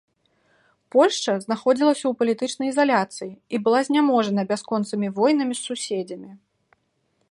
Польшча знаходзілася ў палітычнай ізаляцыі і была зняможана бясконцымі войнамі з суседзямі.